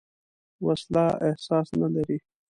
وسله احساس نه لري